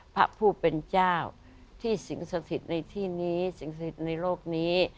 พระผู้เป็นเจ้าที่สิ่งศักดิ์สิทธิ์ในที่นี้สิ่งศักดิ์สิทธิ์ในโลกนี้